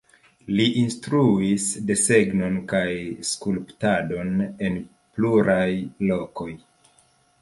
Li instruis desegnon kaj skulptadon en pluraj lokoj.